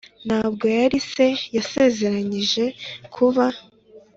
ntabwo yari se yasezeranije kuba.